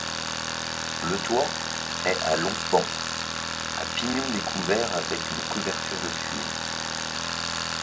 Le toit est à longs pans, à pignon découvert avec une couverture de tuiles.